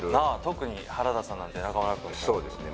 特に原田さんなんて中村君もうそうですね